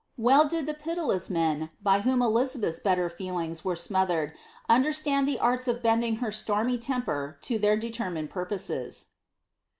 Well did the pitiless men by whom Elizabeth's better feelings were smothered, understand the arts of bending her stormy temper to their determined purposes.